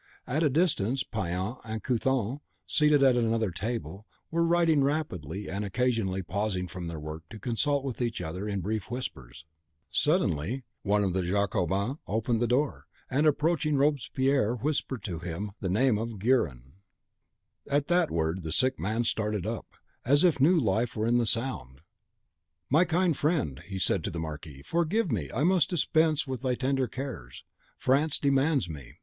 At a distance, Payan and Couthon, seated at another table, were writing rapidly, and occasionally pausing from their work to consult with each other in brief whispers. Suddenly one of the Jacobins opened the door, and, approaching Robespierre, whispered to him the name of Guerin. (See for the espionage on which Guerin was employed, "Les Papiers inedits," etc., volume i. page 366, No. xxviii.) At that word the sick man started up, as if new life were in the sound. "My kind friend," he said to the Marquise, "forgive me; I must dispense with thy tender cares. France demands me.